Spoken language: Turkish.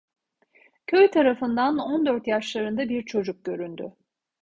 Köy tarafından on dört yaşlarında bir çocuk göründü.